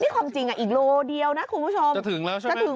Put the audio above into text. ของจริงอ่ะอีกโลเดียวนะคุณผู้ชม